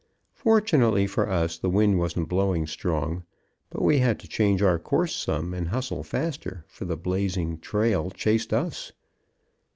Fortunately for us the wind wasn't blowing strong, but we had to change our course some, and hustle faster, for the blazing trail chased us.